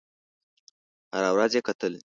هره ورځ یې کتل.